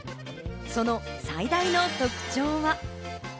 その最大の特徴は。